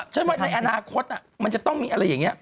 ฉันว่าในอนาคตมันจะต้องมีอะไรอย่างนี้